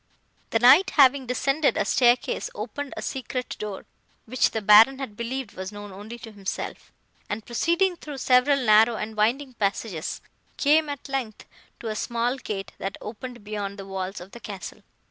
"The Knight, having descended a staircase, opened a secret door, which the Baron had believed was known only to himself, and, proceeding through several narrow and winding passages, came, at length, to a small gate, that opened beyond the walls of the castle.